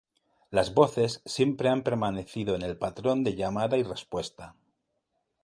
Las voces siempre han permanecido en el patrón de llamada y respuesta.